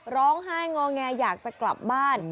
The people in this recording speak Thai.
ร้องไห้งอแงอยากจะกลับบ้าน